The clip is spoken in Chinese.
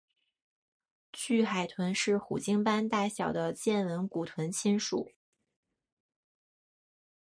巨海豚是虎鲸般大小的剑吻古豚亲属。